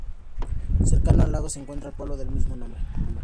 Cercano al lago se encuentra el pueblo del mismo nombre.